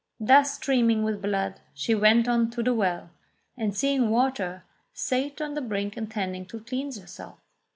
Thus, streaming with blood, she went on to the well, and seeing water, sate on the brink intending to cleanse herself.